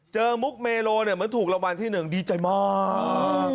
มุกเมโลเหมือนถูกรางวัลที่๑ดีใจมาก